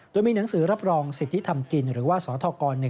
โดยมีหนังสือรับรองสิทธิธรรมกินหรือว่าสทก๑